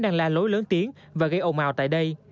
đang la lối lớn tiếng và gây ồn ào tại đây